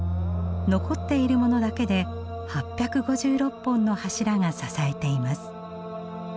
残っているものだけで８５６本の柱が支えています。